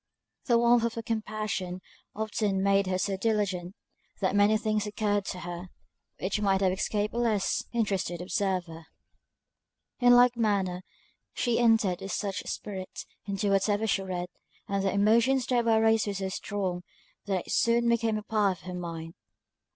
The warmth of her compassion often made her so diligent, that many things occurred to her, which might have escaped a less interested observer. In like manner, she entered with such spirit into whatever she read, and the emotions thereby raised were so strong, that it soon became a part of her mind.